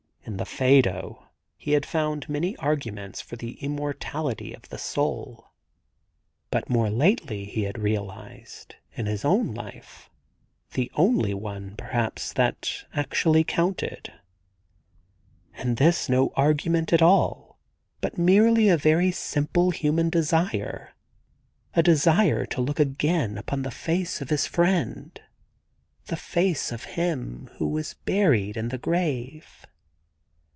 In the Phaedo he had found many arguments for the immortality of the soul, but more lately he had realised, in his own life, the only one perhaps THE GARDEN GOD that actually counted — and this no argument at all; but merely a very simple human desire, a desire to look again upon the face of his friend, the face of him who was buried in the grave.